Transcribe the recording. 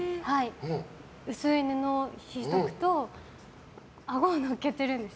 薄い布を引いておくとあごを乗っけるんです。